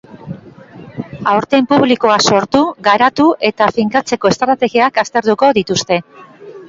Aurten publikoa sortu, garatu eta finkatzeko estrategiak aztertuko dituzte.